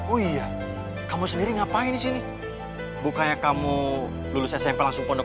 oh iya kamu sendiri ngapain di sini bukanya kamu lulus smp langsung pondok